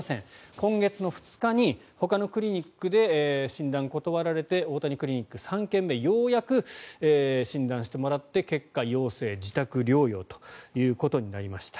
今月２日にほかのクリニックで診断を断られて大谷クリニック３軒目ようやく診断してもらって結果、陽性自宅療養ということになりました。